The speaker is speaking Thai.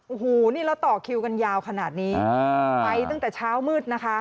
โอ้โหนี่แล้วต่อคิวกันยาวขนาดนี้ไปตั้งแต่เช้ามืดนะคะ